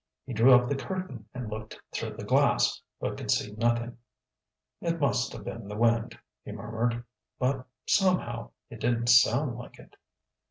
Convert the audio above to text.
He drew up the curtain and looked through the glass, but could see nothing. "It must have been the wind," he murmured. "But, somehow, it didn't sound like it."